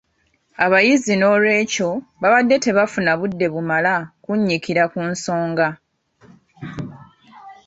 Abayizi n’olwekyo babadde tebafuna budde bumala kunnyikira ku nsonga.